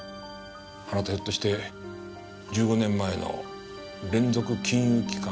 あなたひょっとして１５年前の連続金融機関脅迫事件の。